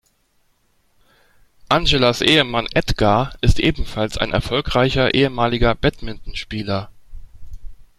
Angelas Ehemann Edgar ist ebenfalls ein erfolgreicher ehemaliger Badmintonspieler.